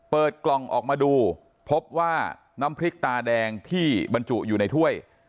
เปิดกล่องออกมาดูพบว่าน้ำพริกตาแดงที่บรรจุอยู่ในถ้วย